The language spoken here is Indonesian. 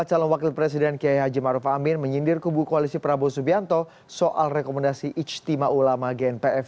salam wakil presiden kiai haji maruf amin menyindir ke buku koalisi prabowo subianto soal rekomendasi istimewa ulama gnpf